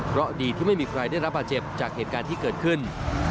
เพราะดีที่ไม่มีใครได้รับบาดเจ็บจากเหตุการณ์ที่เกิดขึ้น